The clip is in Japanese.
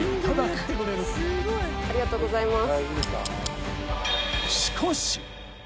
ありがとうございます。